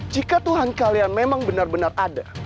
jika tuhan kalian memang benar benar ada